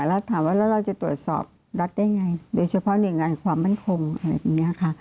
แล้วถามว่าเราจะตรวจสอบรัฐได้ยังไงโดยเฉพาะในงานความมั่นคงอะไรแบบนี้ค่ะ